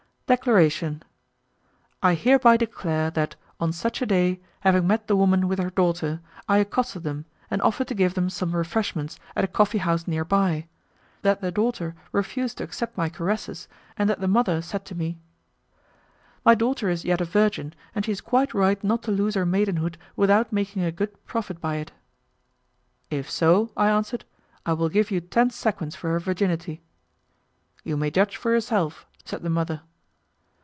DECLARATION I hereby declare that, on such a day, having met the woman with her daughter, I accosted them and offered to give them some refreshments at a coffee house near by; that the daughter refused to accept my caresses, and that the mother said to me, "My daughter is yet a virgin, and she is quite right not to lose her maidenhood without making a good profit by it." "If so," I answered, "I will give you ten sequins for her virginity." "You may judge for yourself," said the mother.